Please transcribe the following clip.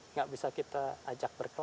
nggak bisa kita ajak berkeli